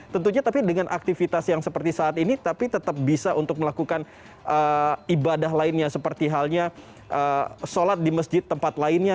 tentunya tapi dengan aktivitas yang seperti saat ini tapi tetap bisa untuk melakukan ibadah lainnya seperti halnya sholat di masjid tempat lainnya